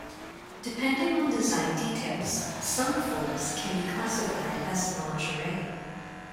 Depending on design details, some forms can be classified as lingerie.